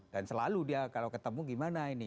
dan selalu dia kalau ketemu gimana ini